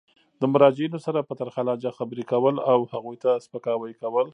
د مراجعینو سره په ترخه لهجه خبري کول او هغوی ته سپکاوی کول.